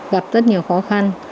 gặp rất nhiều khó khăn